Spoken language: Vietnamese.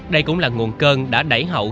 đây cũng là nguồn cơn đã đẩy hậu